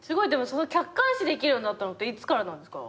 客観視できるようになったのっていつからなんですか？